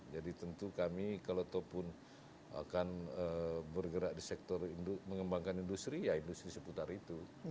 jadi tentu kami kalau ataupun akan bergerak di sektor mengembangkan industri ya industri seputar itu